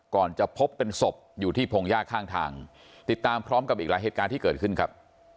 จะพบเป็นศพอยู่ที่พงหญ้าข้างทางติดตามพร้อมกับอีกหลายเหตุการณ์ที่เกิดขึ้นครับ